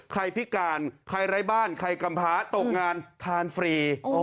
พิการใครไร้บ้านใครกำพ้าตกงานทานฟรี